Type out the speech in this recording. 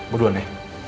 gue duluan ya